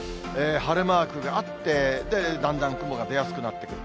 晴れマークがあって、で、だんだん雲が出やすくなってくる。